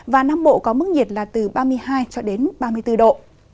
và nam bộ có mức nhiệt là từ ba mươi hai ba mươi bốn độ